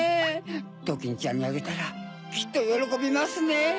ドキンちゃんにあげたらきっとよろこびますね。